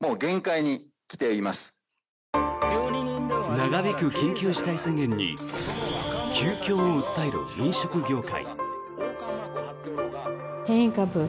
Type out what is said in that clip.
長引く緊急事態宣言に窮境を訴える飲食業界。